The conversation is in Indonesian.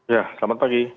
ya selamat pagi